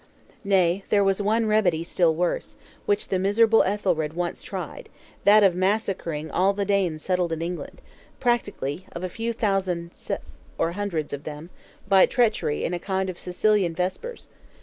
Nay, there was one remedy still worse, which the miserable Ethelred once tried: that of massacring "all the Danes settled in England" (practically, of a few thousands or hundreds of them), by treachery and a kind of Sicilian Vespers.